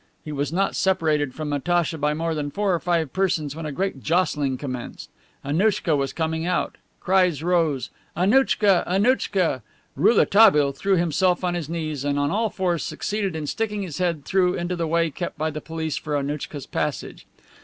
He was not separated from Natacha by more than four or five persons when a great jostling commenced. Annouchka was coming out. Cries rose: "Annouchka! Annouchka!" Rouletabille threw himself on his knees and on all fours succeeded in sticking his head through into the way kept by the police for Annouchka's passage.